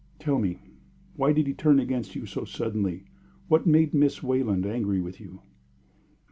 "Tell me why did he turn against you so suddenly? What made Miss Wayland angry with you?"